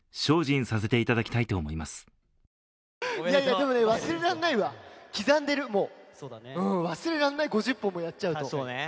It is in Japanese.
でも、忘れられないわ、刻んでる、もう忘れられない５０本もやっちゃうと！